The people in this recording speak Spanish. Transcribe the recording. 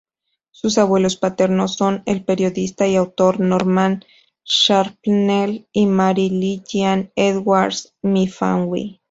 Sus abuelos paternos son el periodista y autor Norman Shrapnel y Mary Lillian Edwards-Myfanwy.